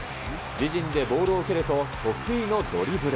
自陣でボールを受けると、得意のドリブル。